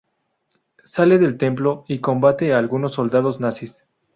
Sale del templo y combate a algunos soldados nazis.